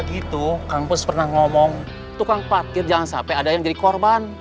habis itu kang mus pernah ngomong tukang parkir jangan sampai ada yang jadi korban